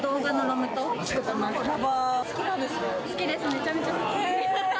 めちゃめちゃ好き